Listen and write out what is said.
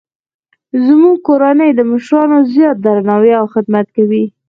زموږ کورنۍ د مشرانو زیات درناوی او خدمت کوي